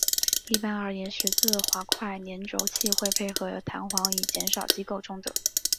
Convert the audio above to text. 一般而言十字滑块联轴器会配合弹簧以减少机构中的。